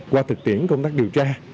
qua thực tiễn công tác điều tra